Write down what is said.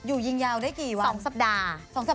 อยู่ยิงยาวได้กี่วะ๒สัปดาห์๒สัปดาห์